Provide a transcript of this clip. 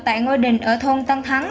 tại ngôi đình ở thôn tăng thắng